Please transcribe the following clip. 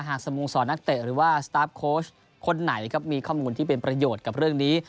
สโมสรนักเตะหรือว่าสตาร์ฟโค้ชคนไหนครับมีข้อมูลที่เป็นประโยชน์กับเรื่องนี้